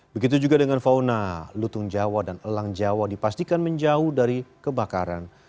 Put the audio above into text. begitu juga dengan fauna lutung jawa dan elang jawa dipastikan menjauh dari kebakaran